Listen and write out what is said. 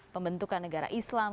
pembentukan negara islam